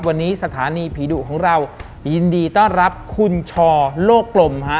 วันนี้สถานีผีดุของเรายินดีต้อนรับคุณชอโลกกลมฮะ